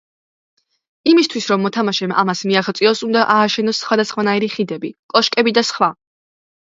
იმისთვის რომ მოთამაშემ ამას მიაღწიოს უნდა ააშენოს სხვადასხვანაირი ხიდები, კოშკები და სხვა.